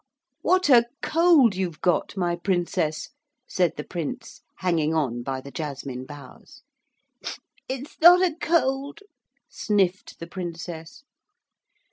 'What a cold you've got, my Princess,' said the Prince hanging on by the jasmine boughs. 'It's not a cold,' sniffed the Princess.